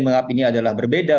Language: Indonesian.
mengapini adalah berbeda